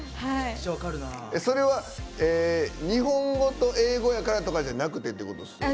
それは日本語と英語やからとかじゃなくてってことですよね。